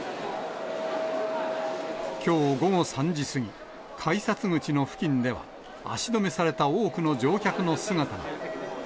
きょう午後３時過ぎ、改札口の付近では、足止めされた多くの乗客の姿が。